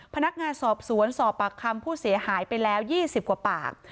พนักงานสอบสวนสอบปากคำผู้เสียหายไปแล้ว๒๐กว่าปาก